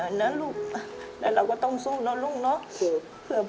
เหนื่อยหน่อยนะลูกแล้วเราก็ต้องสู้เนอะลูกเนอะเผื่อพ่อ